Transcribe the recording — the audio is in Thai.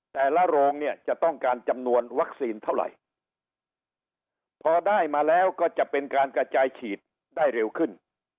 โรงเนี่ยจะต้องการจำนวนวัคซีนเท่าไหร่พอได้มาแล้วก็จะเป็นการกระจายฉีดได้เร็วขึ้น